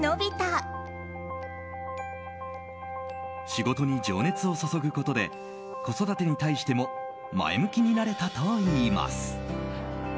仕事に情熱を注ぐことで子育てに対しても前向きになれたといいます。